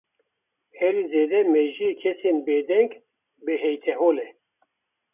Herî zêde mejiyê kesên bêdeng bi heytehol e.